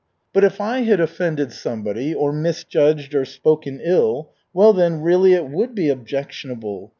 "But if I had offended somebody, or misjudged or spoken ill, well, then, really it would be objectionable.